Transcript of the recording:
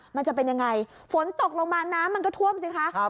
มันจะเป็นยังไงฝนตกลงมาน้ำมันก็ท่วมสิคะ